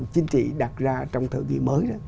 chính trị đặt ra trong thời kỳ mới